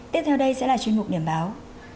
tiếp theo đây sẽ là chuyên mục điểm báo